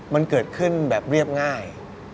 มันเกิดขึ้นแบบเรียบง่าย